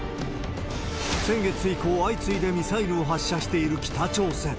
先月以降、相次いでミサイルを発射している北朝鮮。